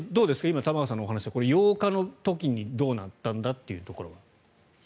今、玉川さんのお話で８日の時にどうだったんだというところは。